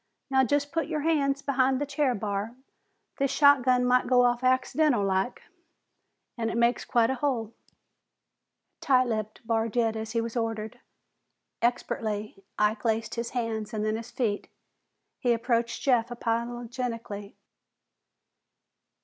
"Now just put your hands behin't the chair, Barr. This shotgun might go off accidental like, an' it makes quite a hole." Tight lipped, Barr did as he was ordered. Expertly Ike laced his hands and then his feet. He approached Jeff apologetically.